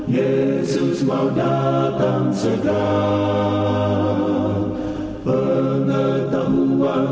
yesus mau datang sederhana